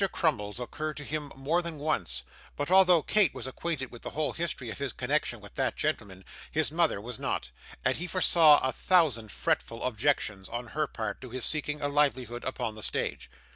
Crummles occurred to him more than once; but although Kate was acquainted with the whole history of his connection with that gentleman, his mother was not; and he foresaw a thousand fretful objections, on her part, to his seeking a livelihood upon the stage.